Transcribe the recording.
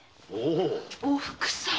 おふくさん。